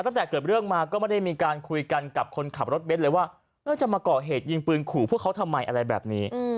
ตั้งแต่เกิดเรื่องมาก็ไม่ได้มีการคุยกันกับคนขับรถเบ้นเลยว่าจะมาก่อเหตุยิงปืนขู่พวกเขาทำไมอะไรแบบนี้